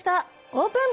オープン！